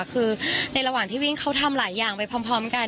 คือในระหว่างที่วิ่งเขาทำหลายอย่างไปพร้อมกัน